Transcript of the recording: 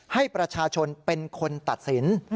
ให้ประชาชนเป็นคนตัดสิน